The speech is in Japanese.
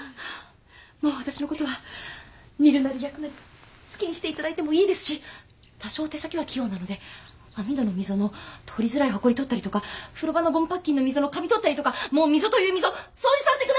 もう私のことは煮るなり焼くなり好きにして頂いてもいいですし多少手先は器用なので網戸の溝の取りづらいほこり取ったりとか風呂場のゴムパッキンの溝のカビ取ったりとかもう溝という溝掃除させて下さい！